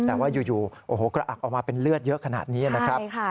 แต่ว่าอยู่โอ้โหกระอักออกมาเป็นเลือดเยอะขนาดนี้นะครับ